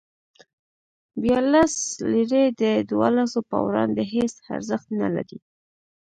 بیا لس لیرې د دولسو په وړاندې هېڅ ارزښت نه لري.